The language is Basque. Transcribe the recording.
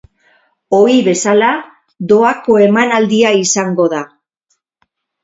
Ohi bezala, doako emanaldia izango da.